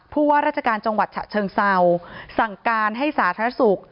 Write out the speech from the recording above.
ว่าราชการจังหวัดฉะเชิงเศร้าสั่งการให้สาธารณสุข